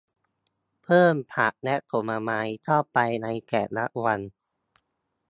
เพิ่มผักและผลไม้เข้าไปในแต่ละวัน